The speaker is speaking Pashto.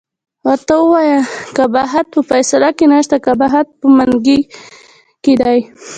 ورته ووایه قباحت په فیصله کې نشته، قباحت په منګي کې دی.